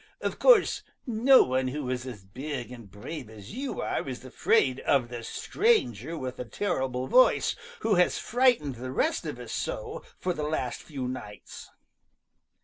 Of course no one who is as big and brave as you are is afraid of the stranger with the terrible voice who has frightened the rest of us so for the last few nights."